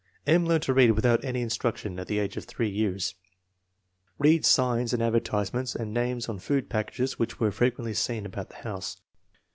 M. learned to read without any in struction at the age of 3 years. Read signs and adver tisements and names on food packages which were frequently seen about the house.